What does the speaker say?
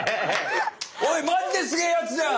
おいマジですげえやつじゃん！